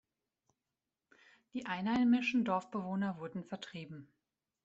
Die einheimischen Dorfbewohner wurden vertrieben.